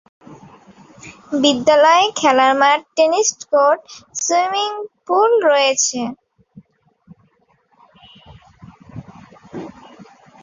বিদ্যালয়ে খেলার মাঠ, টেনিস কোর্ট, সুইমিং পুল রয়েছে।